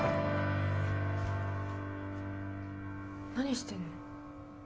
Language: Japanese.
何してんの？